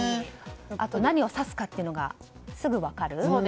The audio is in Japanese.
あと、何を指すかというのがすぐに分かる。